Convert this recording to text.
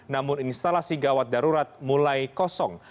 namun instalasi gawat darurat mulai kosong